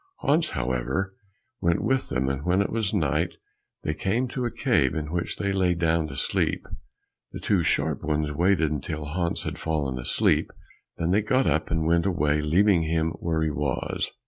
Hans, however, went with them, and when it was night they came to a cave in which they lay down to sleep. The two sharp ones waited until Hans had fallen asleep, then they got up, and went away leaving him where he was.